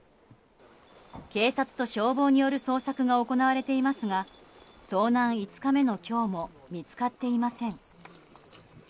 警察と消防による捜索が行われていますが遭難５日目の今日も見つかっていません。